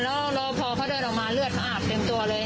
แล้วรอพอเขาเดินออกมาเลือดเขาอาบเต็มตัวเลย